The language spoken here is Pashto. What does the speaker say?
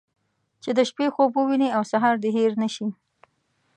چې د شپې خوب ووينې او سهار دې هېر نه شي.